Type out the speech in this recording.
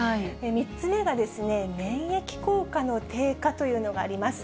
３つ目が、免疫効果の低下というのがあります。